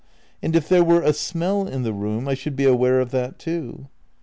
And if there were a smell in the room I should be aware of that too.